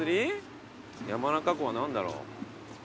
山中湖は何だろう？